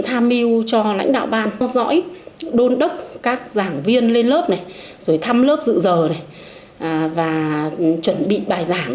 tham mưu cho lãnh đạo ban giỏi đôn đốc các giảng viên lên lớp thăm lớp dự giờ chuẩn bị bài giảng